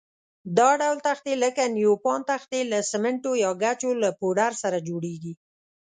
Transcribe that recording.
دا ډول تختې لکه نیوپان تختې له سمنټو یا ګچو له پوډر سره جوړېږي.